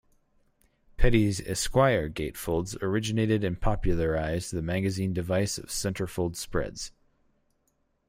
Petty's "Esquire" gatefolds originated and popularized the magazine device of centerfold spreads.